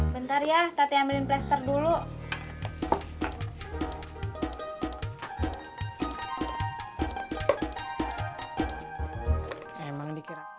bentar ya tati amin plaster dulu